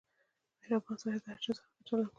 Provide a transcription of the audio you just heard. • مهربان سړی د هر چا سره ښه چلند کوي.